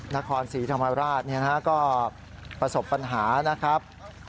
นครศรีธรรมราชก็ประสบปัญหานะครับ